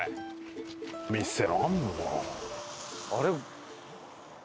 あれ？